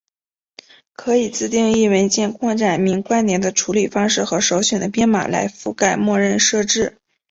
可以自定义文件扩展名关联的处理方式和首选的编码来覆盖默认设置。